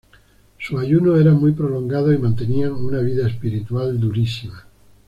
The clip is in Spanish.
Sus ayunos eran muy prolongados y mantenían una vida espiritual durísima.